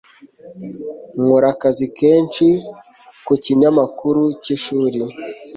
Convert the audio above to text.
Nkora akazi kenshi ku kinyamakuru cy'ishuri.